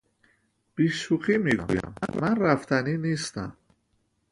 بی شوخی میگویم من رفتنی نیستم.